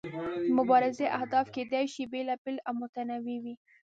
د مبارزې اهداف کیدای شي بیلابیل او متنوع وي.